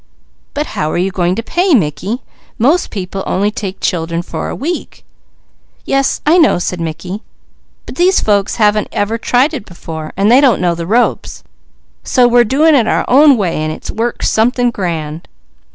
"But how are you going to pay, Mickey? Most people only take children for a week ?" "Yes I know," said Mickey. "But these folks haven't ever tried it before, and they don't know the ropes, so we're doing it our own way, and it works something grand."